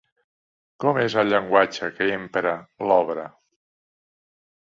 Com és el llenguatge que empra l'obra?